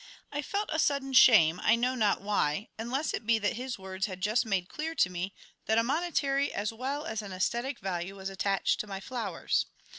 I felt a sudden shame, I know not why, unless it be that his words had just made clear to me that a monetary as well as an aesthetic value was attached to my flowers.